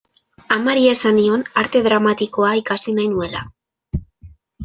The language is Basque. Amari esan nion Arte Dramatikoa ikasi nahi nuela.